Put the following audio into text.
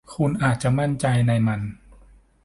คุณอาจจะมั่นใจในมัน